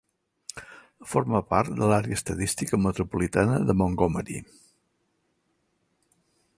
Forma part de l'àrea estadística metropolitana de Montgomery.